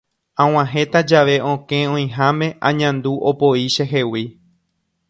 Ag̃uahẽta jave okẽ oĩháme añandu opoi chehegui.